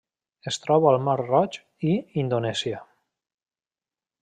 Es troba al Mar Roig i Indonèsia.